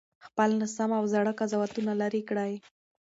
خپل ناسم او زاړه قضاوتونه لرې کړئ.